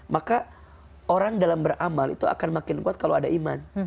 maka orang dalam beramal itu akan makin kuat kalau ada iman